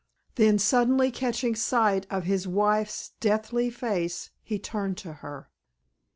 Then suddenly catching sight of his wife's deathly face he turned to her.